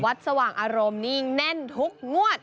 สว่างอารมณ์นิ่งแน่นทุกงวด